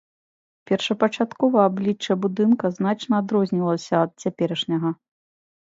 Першапачаткова аблічча будынка значна адрознівалася ад цяперашняга.